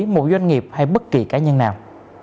một doanh nghiệp hay bất kỳ cá nhân nào